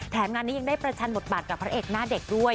งานนี้ยังได้ประชันบทบาทกับพระเอกหน้าเด็กด้วย